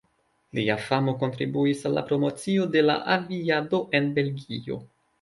Lia famo kontribuis al la promocio de la aviado en Belgio.